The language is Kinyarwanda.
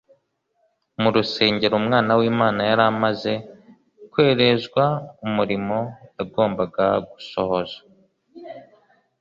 Mu rusengero Umwana w'Imana yari amaze kwerezwa umurimo yagombaga gusohoza.